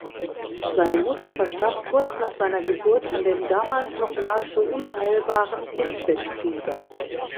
Seine Mutter verstarb kurz nach seiner Geburt an dem damals noch nahezu unheilbaren Kindbettfieber.